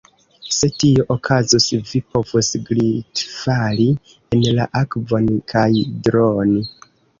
Se tio okazus, vi povus glitfali en la akvon kaj droni.